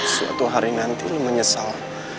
suatu hari nanti menyesal